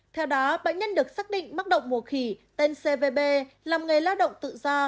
theo đó bệnh nhân được xác định mắc động mùa khỉ tên cvb làm nghề lao động tự do